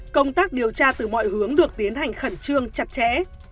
công tác điều tra từ mọi hướng được tiến hành khẩn trương chặt chẽ